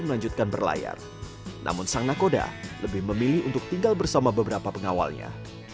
melanjutkan berlayar namun sang nakoda lebih memilih untuk tinggal bersama beberapa pengawalnya